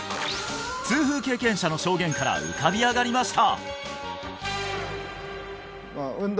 痛風経験者の証言から浮かび上がりました